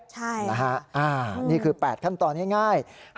ใช่นะฮะนี่คือ๘ขั้นตอนง่าย